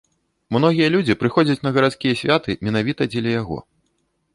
Многія людзі прыходзяць на гарадскія святы менавіта дзеля яго.